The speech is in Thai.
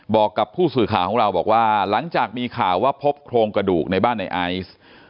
บอกกับผู้สื่อข่าวของเราบอกว่าหลังจากมีข่าวว่าพบโครงกระดูกในบ้านในไอซ์